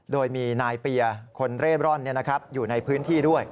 โดยมีนายเปียร์คนเร่ร่อนอยู่ในพื้นที่ด้วย